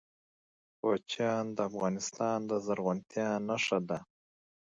کوچیان د افغانستان د زرغونتیا نښه ده.